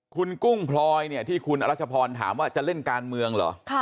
คุณกุ้งพลอยเนี่ยที่คุณอรัชพรถามว่าจะเล่นการเมืองเหรอ